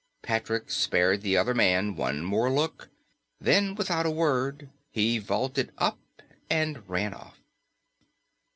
Patrick spared the other man one more look. Then, without a word, he vaulted up and ran off.